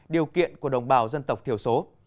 điều kiện của đồng bào dân tộc thiểu số